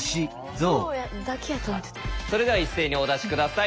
それでは一斉にお出し下さい。